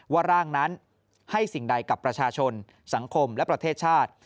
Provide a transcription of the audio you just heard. ร่างนั้นให้สิ่งใดกับประชาชนสังคมและประเทศชาติ